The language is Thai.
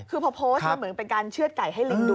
คือพอโพสต์มันเหมือนเป็นการเชื่อดไก่ให้ลิงดู